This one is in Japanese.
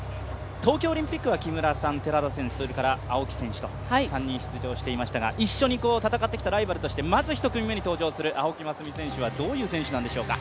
東京オリンピックは木村さん、寺田選手、青木選手と３人出場していましたが、一緒に戦ってきたライバルとしてまず１組目に登場する青木益未選手はどういう選手なんでしょうか？